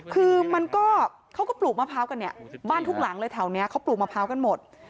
คือมันก็เขาก็ปลูกมะพร้าวกันเนี่ยบ้านทุกหลังเลยแถวนี้เขาปลูกมะพร้าวกันหมด